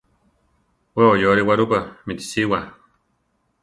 We oyore Guarupa mitisiwa.